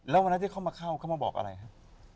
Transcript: แล้ววันนั้นที่เขามาเข้าเขามาบอกอะไรครับ